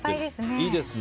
いいですね。